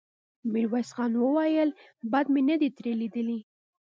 ميرويس خان وويل: بد مې نه دې ترې ليدلي.